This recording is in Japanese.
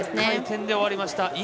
１回転で終わりました。